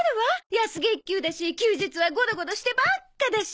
安月給だし休日はゴロゴロしてばっかだし。